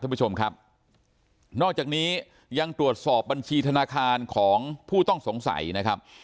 ท่านผู้ชมครับนอกจากนี้ยังตรวจสอบบัญชีธนาคารของผู้ต้องสงสัยนะครับ